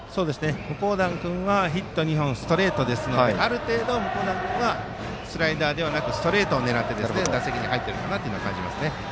向段君はヒット２本ストレートですがある程度、向段君はスライダーではなくストレートを狙って打席に入っているかなと感じます。